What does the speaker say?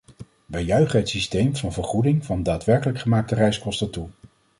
Wij juichen het systeem van vergoeding van daadwerkelijk gemaakte reiskosten toe.